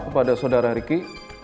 kepada saudara riki